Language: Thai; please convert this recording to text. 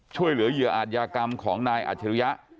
ช่วยเหลือเหยื่ออาจยากรรมของนายอัจฉริยะ